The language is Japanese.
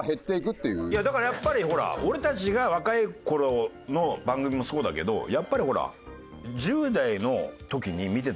だからやっぱりほら俺たちが若い頃の番組もそうだけどやっぱりほら。